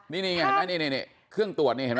นี่เครื่องตรวจนี่เห็นมั้ย